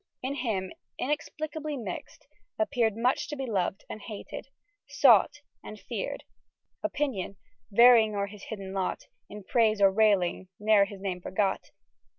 In him, inexplicably mix'd, appear'd Much to be loved and hated, sought and fear'd; Opinion, varying o'er his hidden lot, In praise or railing ne'er his name forgot....